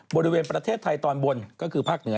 บริเวณประเทศไทยตอนบนก็คือภาคเหนือ